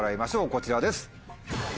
こちらです。